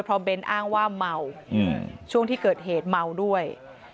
เพราะเบ้นอ้างว่าเมาช่วงที่เกิดเหตุเมาด้วย